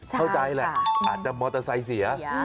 เข้าใจแหละอาจจะมอเตอร์ไซค์เสีย